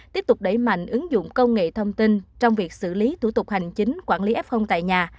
tiếp tục đẩy mạnh ứng dụng công nghệ thông tin trong việc xử lý thủ tục hành chính quản lý f tại nhà